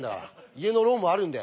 家のローンもあるんで。